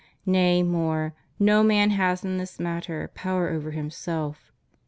Nay, more: no man has in this matter power over himself.